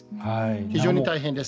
非常に大変です。